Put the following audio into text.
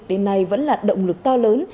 đến nay vẫn là động lực to lớn